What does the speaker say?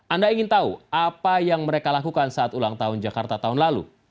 anda ingin tahu apa yang mereka lakukan saat ulang tahun jakarta tahun lalu